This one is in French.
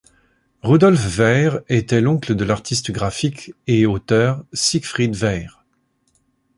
Rudolf Weyr était l'oncle de l'artiste graphique et auteur Siegfried Weyr.